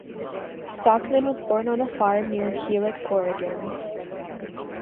Stockman was born on a farm near Helix, Oregon.